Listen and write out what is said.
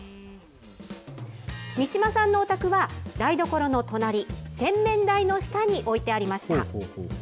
三島さんのお宅は、台所の隣、洗面台の下に置いてありました。